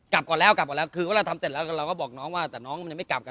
กลับก่อนแล้วกลับก่อนแล้วคือเวลาทำเสร็จแล้วเราก็บอกน้องว่าแต่น้องมันยังไม่กลับกัน